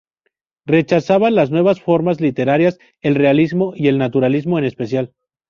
Rechazaban las nuevas formas literarias, el realismo y el naturalismo en especial.